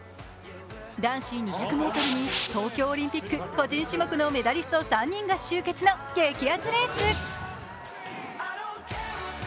男子２００ｍに東京オリンピック個人種目のメダリスト３人が集結の激アツレース。